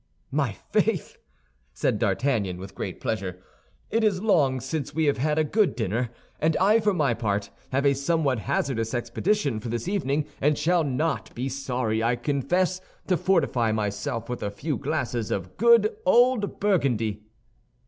"My faith!" said D'Artagnan, with great pleasure. "It is long since we have had a good dinner; and I, for my part, have a somewhat hazardous expedition for this evening, and shall not be sorry, I confess, to fortify myself with a few glasses of good old Burgundy."